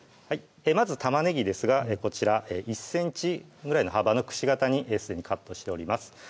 まず玉ねぎですがこちら１ｃｍぐらいの幅のくし形にすでにカットしております